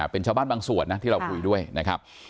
เป็นชาวบ้านบางส่วนนะที่เราคุยด้วยนะครับ